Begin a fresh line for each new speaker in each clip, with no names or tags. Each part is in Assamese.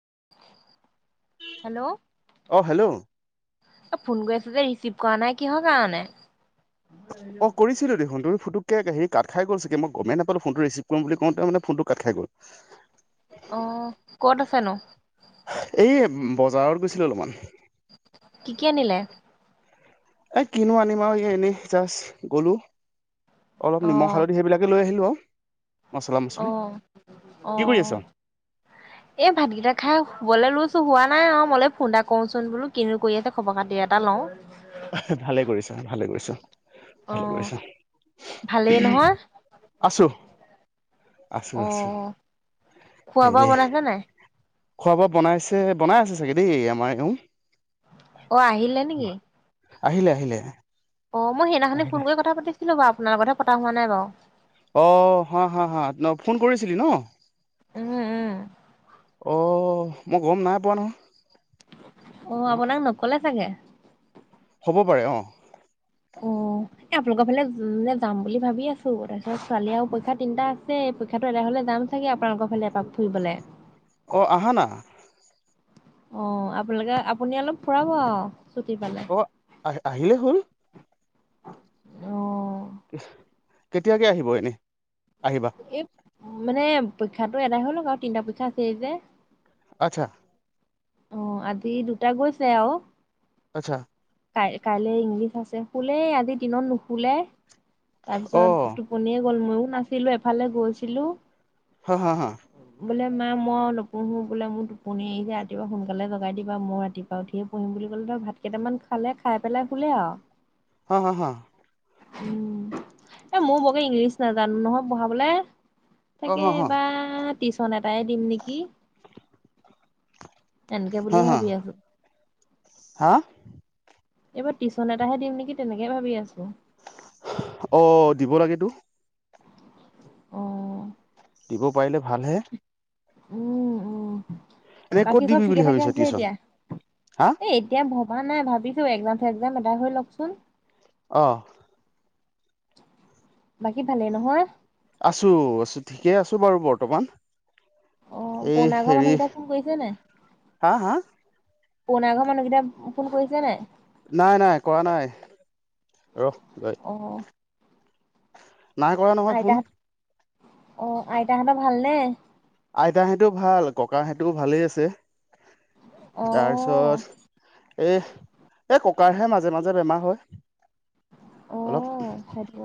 [unintelligible] হেল্ল'
অ হেল্ল'
অ ফোন কৰি আছ যে ৰিচিভ কৰা নাই কিহৰ কাৰণে
অ কৰিছিলো দেখোন তুমি ফটো তে সেই কাত খাই গ'ল চাগ মই গমেই নাপালো ফোনটো ৰিচিভ কৰিম বুলি কওঁতে মানে ফোনটো কাট খাই গ'ল
অহ ক'ত আছেনো
এই বজাৰত গৈছিলোঁ অলপমান
কি কি আনিলে
এ কিনো আনিম আৰু ই এনেই জাষ্ট গলো অলপ
অ
নিমখ হালধি সেইবিলাকে লৈ আহিলো আৰু মছলা মছলি
অ
কি কৰি
অহ
আছ
এই ভাতকেইটা খাই শুবলে লৈছো হোৱা নাই অ মলে ফোন এটা কৰোচোন বোলো কিনো কৰি আছে খবৰ খাতি এটা লওঁ
ভালে কৰিছা ভালে কৰিছা
অ
ভালে কৰিছা
ভালেই
উমহ
নহয়
আছো আছো
অ
আছো
খোৱা বোৱা
হেৰি
বনাইছে নাই
খোৱা বোৱা বনাইছে বনাই আছে চাগে দেই আমাৰ এওঁ
অ আহিলে নেকি
আহিলে আহিলে
অ মই সেইনাখনি
আহিলে
ফোন কৰি কথা পাতিছিলো বাও আপোনাৰ লগতহে পতা হোৱা নাই বাও
অ হা হা হা ফোন কৰিছিলি ন
উম উম
অ অ মই গম নাই পোৱা নহয়
অ আপোনাক নকলে চাগে
হ'ব পাৰে অ
অ এ আপোনালোকৰ ফালে যাম বুলি ভাবি আছো তাৰপিছত ছোৱালী অ পইক্ষা তিনটা আছে পইক্ষাটো এটা হলে যাম চাগে আপোনালোকৰ ফালে এপাক ফুৰিবলে
অঁ আহা না
অঁ আপোনা লোকে আপুনি অলপ ফুৰাব আৰু। ছুটি পালে।
অ আহিলেই হ'ল।
অ
কেতিয়াকে আহিব এনেই? আহিবা।
এই মানে পৰীক্ষাটো এদাই হৈ লওঁক আৰু তিনিটা পৰীক্ষা আছেই যে।
আচ্ছা।
অঁহ আজি দুটা গৈছে আৰু।
আচ্ছা।
কাইলৈ ইংলিছ আছে। শুলেই আজি দিনত নুশুলে
অ
তাৰপিছত টোপনি- গ'ল। মইয়ো নাছিলো এফালে গৈছিলো।
হাঁ হাঁ হাঁ।
বোলে মা মই নপোহোঁ বোলে মোৰ টোপনি আহিছে। ৰাতিপুৱা সোনকালে জগাই দিবা মই ৰাতিপুৱা উঠিয়ে পহিম বুলি ক'লে। ত' ভাত কেইটামান- খালে খাই পেলাই শুলে আৰু।
হাঁ হাঁ হাঁ।
উম' এ' মইও বৰকে ইংলিছ নাজানো নহয় পঢ়াবলে।
অ
তাকে
হা হা
এইবাৰ টিউচন এটাই দিম নেকি। এনেকে বুলিয়ে ভাবি আছো।
হাআ
এইবাৰ টিউচন এটাহে দিম নেকি তেনেকে ভাবি আছো।
অ দিব লাগেতো।
অঁ
দিব পাৰিলে ভালহে।
উম' উম।
এনে ক'ত
বাকী চব
দিবি
ঠিকে
বুলি
থাকে
ভাবিছ
আছে
টিউচন
এতিয়া?
হা
এই এতিয়া- ভবা নাই ভাবিছো। একজাম- চেকজাম এদাই হৈ লওঁকচোন।
অঁহ
বাকী ভালেই নহয়?
আছো, আছো ঠিকেই আছো বাৰু বৰ্তমান।
অ
এই
পুৰণা ঘৰ
হেৰি।
মানুহকেইটা ফোন কৰিছে নাই
হাঁ হাঁ?
পুৰণা ঘৰ মানুহ কেইটাই ফোন কৰিছে নাই?
নাই, নাই কৰা নাই।
অ',
নাই কৰা নহয় ফোন।
অঁ আইতা হতৰ ভালনে?
আইতা সেতেও ভাল, ককা সেতেও ভালেই আছে।
অ',
তাৰপিছত- এ' এই ককাৰহে মাজে, মাজে বেমাৰ হয়। অলপ
আহ সেইটো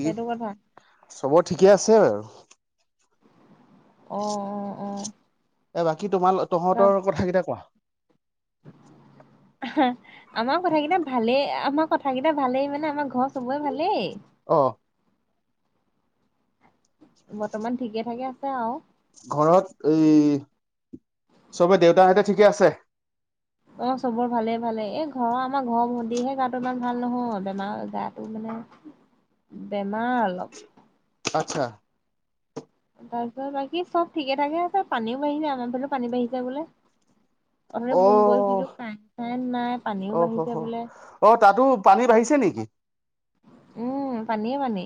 সেইটো কথা
চব ঠিকে আছে আৰু।
অ', অ', অ',
এ বাকী তোমাল
বা
তহঁতৰ কথাকেইটা কোৱা?
আমাৰ কথা কেইটা ভালেই আমাৰ কথাকেইটা ভালেই মানে আমাৰ ঘৰ সবৰে ভালেই।
অ
বৰ্তমান ঠিকে থাকে আছে আও।
ঘৰত এই চবে দেউতাহঁতে ঠিকে আছে?
অ চবৰ ভালেই ভালেই এই ঘৰৰ আমাৰ ঘৰ ভন্টিহে গাটো ইমান ভাল নহয় বেমাৰ গাটো মানে বেমাৰ অলপ।
আচ্ছা।
তাৰপিছত বাকী চব ঠিকে থাকে আছে পানীও বাঢ়িছে। আমাৰ ফালেও পানী বাঢ়িছে বোলে? ওথনি
অ
ফোন কৰিছিলো কাইন চাইন নাই পানীও
অ হ
বাঢ়িছে
হ
বোলে,
অ তাতো পানী বাঢ়িছে নেকি
উম পানীয়ে পানী।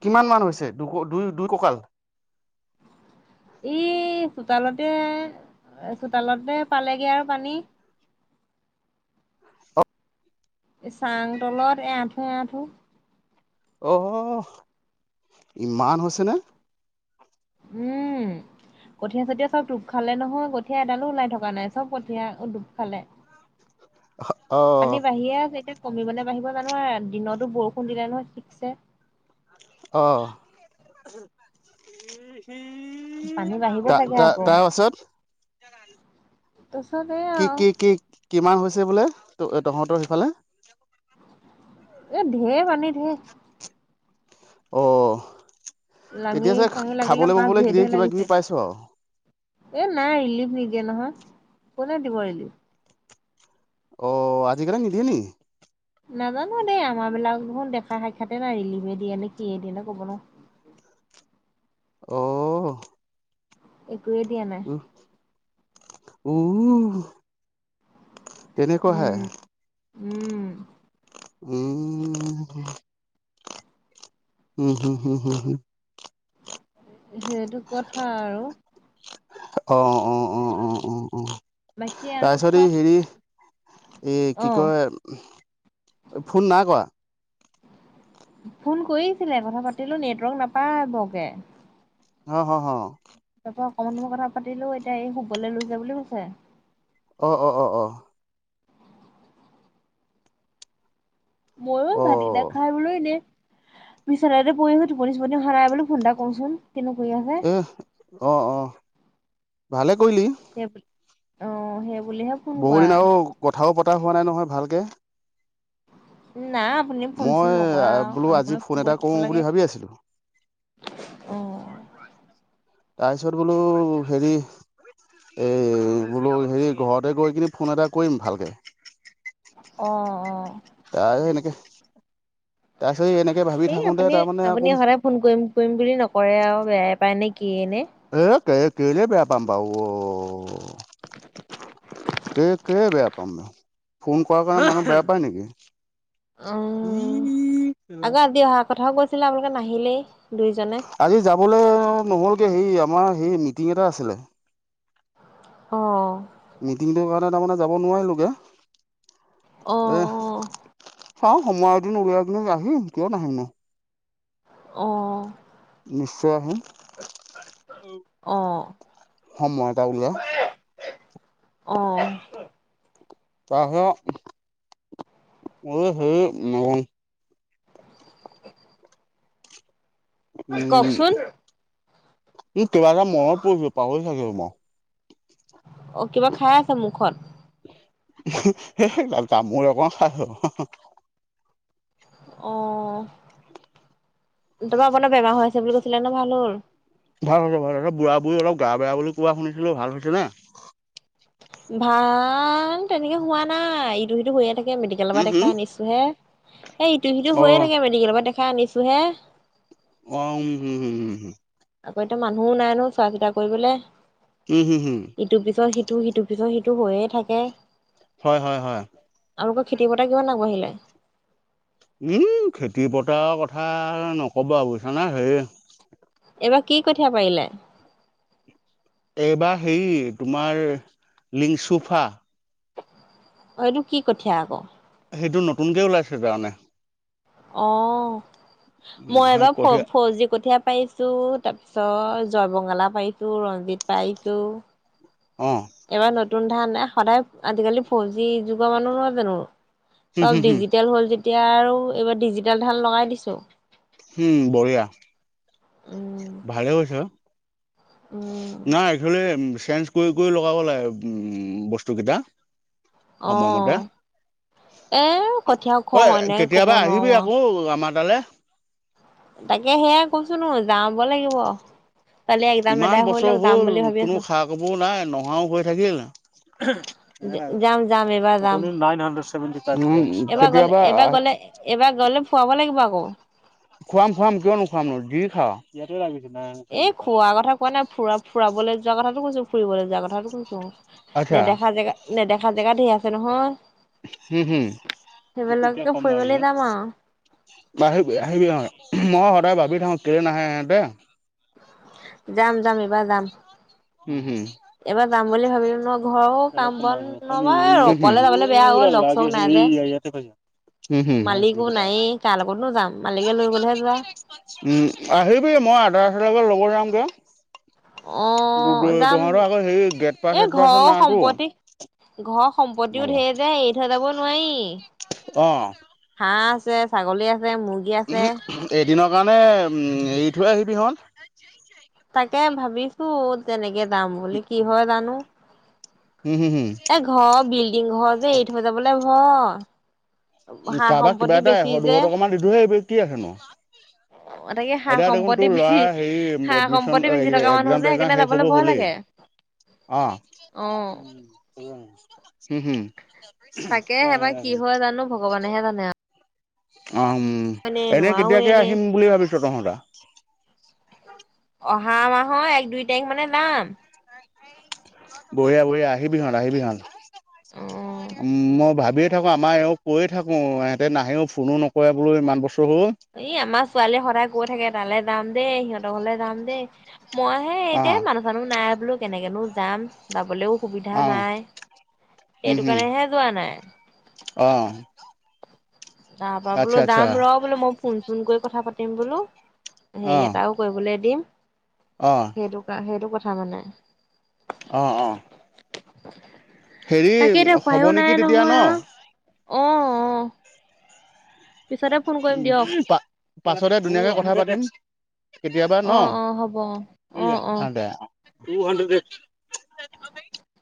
কিমান মান হৈছে দুই দুই কঁকাল?
ই চোতালতে চোতালতে পালেগে আও পানী। চাং তলত এআঁঠু আঠু।
আহ ইমান হৈছে নে?
উম কঠীয়া চতিয়া চব ডুব খালে নহয় কঠীয়া এডালো ওলাই থকা নাই চব কঠীয়া ডুপ খালে।
অ
পানী বাঢ়িয়ে আছে এতিয়া। কমিবনে বাঢ়িব জানো আও? দিনতো বৰষুণ দিলে নহয় ঠিকছে।
অ'।
পানী বাঢ়িব
তা
চাগে
তা
আকৌ
তাৰ পাছত
তাৰপিছত এই
কি
আৰু
কি কি কিমান হৈছে বোলে ত? তহঁতৰ সেইফালে?
এ ধেৰ পানী ধেৰ।
অঁ।
লাঙি
তেতিয়া চে
চাঙি লাগিলে
খাবলৈ
মাছ
বাবলৈ
ঢেৰ ঢেৰ
কিবা কিবি
লাগিছে
পাইছো আও?
এ নাই ৰিলিভ নিদিয়ে নহয়! কোনে দিব ৰিলিভ?
অ আজিকালি নিদিয়ে নি?
নাজানো দেই আমাৰ বিলাক দেখোন দেখা সাক্ষাতে নাই ৰিলিভে দিয়ে নে কিহে দিয়ে নে কব নোৱাও!
আহ।
একোৱে দিয়া নাই।
[unintelligible] তেনেকুৱা হে? উম! উম উ [unintelligible] উম হুম হম হুম হুম।
সেইটো কথা আৰু।
অ অ অ অ অ অ অ।
বাকী আৰু
তাৰ পিছত এই
চব
হেৰি এ
অ
কি কয় ফোন নাই কৰা?
ফোন কৰিছিলে কথা পাতিলো নেটৱৰ্ক নাপায় বৰকে।
অ হ হ।
মই অকমান সময়ই কথা পাতিলো এতিয়া এই শুবলৈ লৈছে বুলি কৈছে।
অ অ অ অ।
ময়ো
অ
ভাতকেইটা খাই বোলো এনে বিছনাতে পৰিছো টোপনি চোপনি অহা নাই বোলো ফোন এটা কৰোচোন। কিনো কৰি আছে
এহ, অ' অহ। ভালে কৰিলি।
সেই অ' সেই বুলিহে ফোন
বহু
কৰা
দিন আৰু কথাও পাত তা হোৱা নাই নহয় ভালকে।
নাই আপুনি ফোন
মই
চোন নকৰে আৰু
বোলো আজি
আমাৰ ফোন
এটা
কৰি থাকিব
কৰোঁ বুলি
লাগে।
ভাবি আছিলোঁ
অ'।
তাৰপিছত বোলো হেৰি এই বোলো হেৰি ঘৰতে গৈ কিনি ফোন এটা কৰিম ভালকে।
অ' অ'।
[unintelligible] সেনেকে
এই আপুনি - আপুনি সদায় ফোন কৰিম কৰিম বুলি নকৰে আৰু বেয়াই পায় নেক
[unintelligible] কেলে বেয়া পাম বাউ অ। কে কেলে বেয়া [unintelligible] ফোন কৰাৰ কাৰণে মানু্হ বেয়া পাই নেকি?
উম।
ই কেলা।
আকৌ আজি অহা কথাও কৈছিলে আপোনালোকে নাহিলেই। দুইজনে।
আজি যাবলে নহ'লগে হেৰি আ তোমাৰ হেৰি মিটিং এটা আছিলে।
অ'।
মিটিংটোৰ কাৰণে তাৰমানে যাব নোৱাৰিলো গে।
অ' অ'।
চাওঁ সময় এদিন উলিয়াই কিনে আহিম কিয় নাহিম নো!
অ'!
নিশ্চয় আহিম।
অ',
সময় এটা উলিয়াই।
অহ!
[unintelligible] উম।
কওকচোন
উ কিবা এটা মনত পৰিছিল পাহৰি থাকিল ম।
অ' কিবা খাই আছে মুখত।
সেই তামোল এখন খাইছো।
অ'! তোমাৰ [unintelligible] বেমাৰ হৈ আছে বুলি কৈছিলা ন' ভাল হ'ল?
ভাল হৈছে ভাল হৈছে বুঢ়া বুঢ়ী অলপ গা বেয়া বুলি কোৱা শুনিছিলোঁ, ভাল হৈছে নে?
ভাল তেনেকে হোৱা নাই ইটো সিটো হৈয়ে থাকে মেডিকেলৰ পৰা
উম হুম
দেখাই আনিছো হে এ ইটো সিটোয়ে
অ'
থাকে মেডিকেলৰ পৰা দেখা খাই আনিছো হে
অ হম হম উম
আকৌ এতিয়া মানুহো নাই ন চোৱা চিতা কৰিবলে
উম, হম, হম,
ইটোৰ পিছত সিটো ইটো সিটোৰ পিছত সিটো হৈয়ে থাকে
হয়, হয়, হয়।
আপোনা খেতি পথাৰ কিমান আগবাঢ়িলে উ
উম খেতি পথাৰ কথা নকবা বুজিছা নে হেৰি
এইবাৰ কি কঠীয়া পাৰিলে
এইবাৰ হে তোমাৰ লিংচুফা
অ এইটো কি কঠীয়া আকৌ
সেইটো নতুনকে ওলাইছে তাৰমানে
অহ
উম,
মই
হয়
এবাৰ
কঠীয়া
ফৌজি ফৌজি কঠীয়া পাইছো পাইছো তাৰ পিছত জয়বঙালা পাইছো ৰঞ্জিত পাইছো
অ',
এব ন নতুন ধান এ সদায় আজিকালি ফৌজি যুগৰ মানুহ নহয় জানো
হম, হম,
চব
হম,
ডিজিটেল হ'ল যেতিয়া এতিয়া আৰু এইবাৰ ডিজিটেল ধান লগাই দিছোঁ
উম বঢ়িয়া
উম
ভালে কৰিছ
উম
ন এইফালে চেঞ্জ কৰি কৰি লগাব লাগে উম বস্তু কেইটা
আহ এ কঠীয়া ওখ হয় এনেকে ক'ব নোৱাৰো
এফালে
তাকে সেয়াই কৈছো নো যাব লাগিব কালি একজাম
ইমান
এদাই হৈ
বছৰ
লওক যাম
হ'ল
বুলি ভাবি
কোনো
আছো।
খা খবৰ নাই নহাও হৈ থাকিল
যাম যাম এইবাৰ যাম
উম,
এইবাৰ গলে
কেতিয়াবা
এইবাৰ
আহ
গলে এইবাৰ গলে ফুৰাব লাগিব আকৌ
খুৱাম খুৱাম কিয় নোখুৱাম নো যি খাওঁ ইতে লি
এই খোৱা কথা কোৱা নাই ফুৰা ফুৰাবলৈ যোৱা কথাটো কৈছো ফুৰিব যোৱা কথাটো কৈছো
আচ্ছা
নেদেখা জেগা নেদেখা জেগা ধেৰ আছে নহয়
হুম হুম এতিয়া
সেইবিলাকে
কম
ফুৰি
নি
মেলি যাম আৰু।
আহিবি আহিবি মই সদায় ভাবি কিৰে নাহে হেতে
যাম যাম এইবাৰ যাম
হুম হুম
এইবাৰ যাম বুলি ভাবিলো মই ঘৰৰ কাম বন নবা
হুম হুম
অকলে যাবলে বেয়া অ লগ চগ নাই যে
উম হ
মালিকো নায়েই কাৰ লগতনো যাম মালিকে লৈ গ'লেহে যোৱা।
উম আহিবি মই আধা ৰাস্তালেকে লব যাম যে
অ
কি বোলে
যাম
তহঁত আকৌ হেৰি গেট পাছ
এ
চেট পাছ
ঘৰৰ
নাইটো
সম্পত্তি ঘৰৰ সম্পত্তিও ঢেৰ যে এৰি থৈ যাব নোৱাৰি
অহ
হাহ আছে ছাগলী আ ছে মুৰ্গী আছে
দিনৰ কাৰণে এৰি থৈ আহিবিহঁত
তাকে ভাবিছো তেনেকে যাম বুলি কি হয় জানো
হুম হুম হুম
এ ঘৰ বিল্ডিং ঘৰ যে এই থৈ যাবলে অ
কাৰবাক কিবা এটা এশ দুশ টকা মান দিলোহে কি আছেনো
তাকে সা
এতিয়া দেখোন
সম্পত্তি
তোৰ
বেছি
লৰা হেৰি
সা
এডমিশন
সম্পত্তি বেছি থকা মানুহ
একজাম
যে
জাম
সেইকাৰণে
শেষ
যাবলৈ
হব
ভয়
হলেই
লাগে।
অ
অ', তাকে সেইবাৰ কি হয় জানো ভগৱানেহে জানে আৰু
চে উম এনে
নোৱাৰোৱে
কেতিয়াকে
এনে।
আহিম বুলি ভাবিছ তহঁতে
অহা মাহৰ এক দুই তাৰিখ মানে যাম
বঢ়িয়া বঢ়িয়া আহিবিহত আহিবিহত
অ'।
উম মই ভাবিয়ে থাকো আমাৰ এওঁ কৈয়ে থাকো ইহঁতে নাহেও ফোনো নকৰে বোলো ইমান বস্তু
এই আমাৰ ছোৱালীয়ে সদায় কৈ থাকে তালে যাম দে সিহঁত ঘলে যাম দে মই হে
অঁ
এতিয়া মানুহ চানুহ নাই বোলো কেনেকেনো যাম যাবলৈও সুবিধা
অঁ
নাই সেইটো কাৰণেহে যোৱা নাই
অহ
তাপা বোলো যাম ৰ বুলো মই শু ফোন কৈ কথা পাতিম বোলো হেৰি
অঁ
এটাও কৰিবলে দিম
অঁ
সেইটো কাৰ সেইটো কথা কথা মানে
অহ অ
ঐ
হেৰি হব নেকি তেতিয়া ন।
আৰু অ', অ'। পিছতে ফোন কৰিম দিয়ক।
পা পাছতে ধুনীয়াকে কথা পাতিম। কেতিয়াবা ন
অ', অ', হ'ব অ',
অ দে। Two hundred.